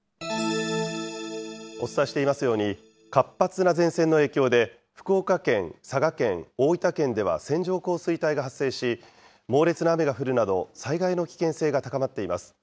お伝えしていますように、活発な前線の影響で、福岡県、佐賀県、大分県では線状降水帯が発生し、猛烈な雨が降るなど災害の危険性が高まっています。